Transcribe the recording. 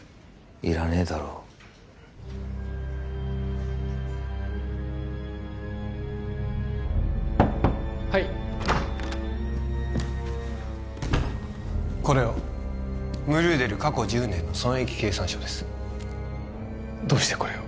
いらねえだろはいこれをムルーデル過去１０年の損益計算書ですどうしてこれを？